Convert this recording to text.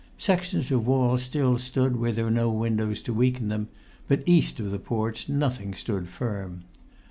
Sections of wall still stood where there were no windows to weaken them, but east of the porch nothing stood firm.